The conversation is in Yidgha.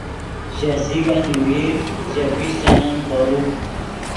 ژے زیگن یوویر ژے پیشچنن تورو